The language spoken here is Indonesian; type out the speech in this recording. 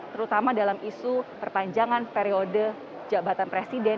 terutama dalam isu perpanjangan periode jabatan presiden